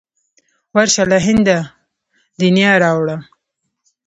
ورشه له هنده د نیا را وړه.